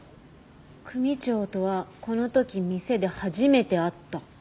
「組長とはこの時店で初めて会った」。